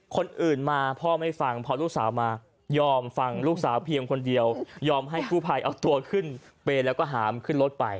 คนอื่นมาพ่อไม่ฟังพอลูกสาวมายอมฟังลูกสาวเพียงคนเดียวยอมให้กู้ภัยเอาตัวขึ้นเปรย์แล้วก็หามขึ้นรถไป